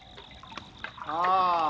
・ああ